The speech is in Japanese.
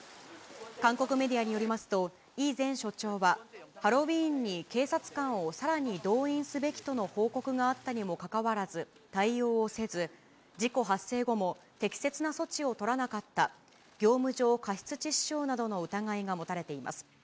韓国メディアによりますと、李前署長は、ハロウィーンに警察官をさらに動員すべきとの報告があったにもかかわらず、対応をせず、事故発生後も適切な措置を取らなかった、業務上過失致死傷などの疑いが持たれています。